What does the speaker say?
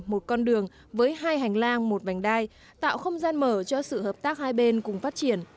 một con đường với hai hành lang một vành đai tạo không gian mở cho sự hợp tác hai bên cùng phát triển